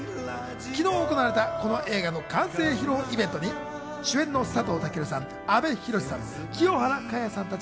昨日行われたこの映画の完成披露イベントに主演の佐藤健さん、阿部寛さん、清原果耶さんたち